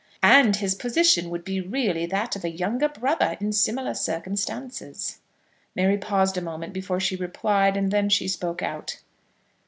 "And his position would be really that of a younger brother in similar circumstances." Mary paused a moment before she replied, and then she spoke out.